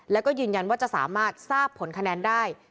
แล้วก็ยืนยันว่าจะสามารถทราบผลคะแนนได้